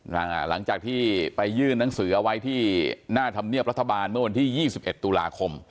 นะฮะหลังจากที่ไปยื่นนังสือไว้ที่หน้าธรรมเนียบรัฐบาลเมื่อวันที่ยี่สิบเอ็ดตุลาคม